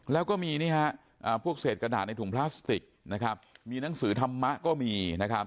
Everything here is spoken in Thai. แล้วก็มีพวกเศษกระดาษในถุงพลาสติกมีหนังสือธรรมะก็มี